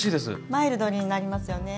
マイルドになりますよね。